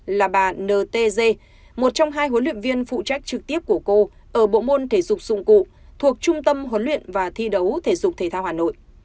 là bà ntg một trong hai huấn luyện viên phụ trách trực tiếp của cô ở bộ môn thể dục dụng cụ thuộc trung tâm huấn luyện và thi đấu thể dục thể thao hà nội